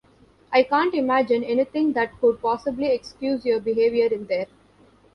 I can’t imagine anything that could possibly excuse your behavior in there.